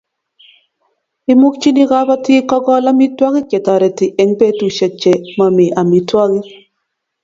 imukchini kabatik ko kol amitwogik che tareti eng'petushek che mamii amitwogik